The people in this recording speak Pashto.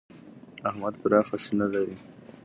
احمد پراخه سینه لري.